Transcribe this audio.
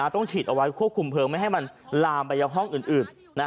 ต้องฉีดเอาไว้ควบคุมเพลิงไม่ให้มันลามไปยังห้องอื่น